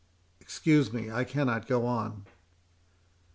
Excuse me—I cannot go on."